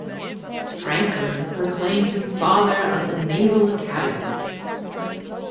Franklin proclaimed him Father of the Naval Academy.